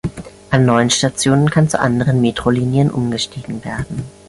An neun Stationen kann zu anderen Metrolinien umgestiegen werden.